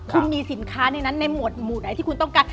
คุณมีสินค้าในนั้นในหมู่ไหนที่คุณต้องการ